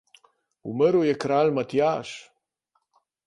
Umrl je kralj Matjaž!